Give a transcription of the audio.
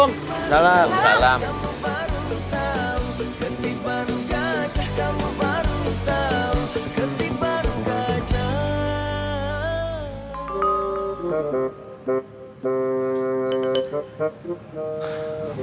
ketibaan gajah kamu baru tahu